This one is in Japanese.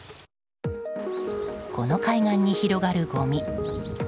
この海岸に広がるごみ。